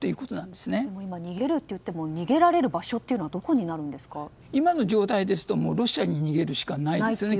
でも今、逃げるって逃げられる場所は今の状態だとロシアに逃げるしかないですね